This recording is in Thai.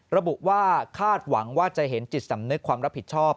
ระบุว่าคาดหวังว่าจะเห็นจิตสำนึกความรับผิดชอบ